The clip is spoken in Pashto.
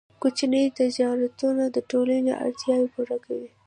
کوچني تجارتونه د ټولنې اړتیاوې پوره کوي.